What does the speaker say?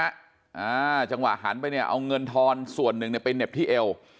เห็นมั้ยฮะจังหวะหันไปเนี่ยเอาเงินธอนส่วนหนึ่งไปเน็บที่เอว